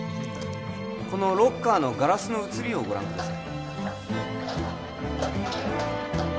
このロッカーのガラスの映りをご覧ください